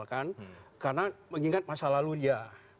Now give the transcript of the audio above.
karena mengingat masa lalu dia